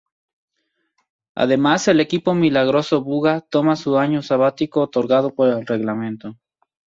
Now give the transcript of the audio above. Además el equipo Milagroso Buga toma su año sabático otorgado por el reglamento.